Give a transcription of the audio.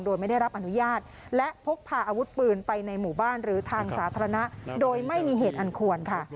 โดยไม่ได้รับอนุญาตและพกพาอาวุธปืนไปในหมู่บ้านหรือทางสาธารณะโดยไม่มีเหตุอันควรค่ะ